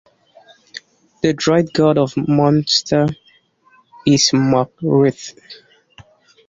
The druid-god of Munster is Mug Ruith.